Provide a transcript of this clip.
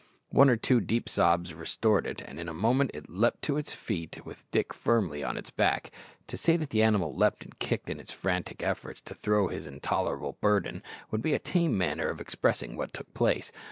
One or two deep sobs restored it, and in a moment it leaped to its feet with Dick firmly on its back. To say that the animal leaped and kicked in its frantic efforts to throw this intolerable burden would be a tame manner of expressing what took place.